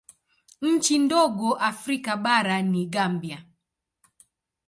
Nchi ndogo Afrika bara ni Gambia.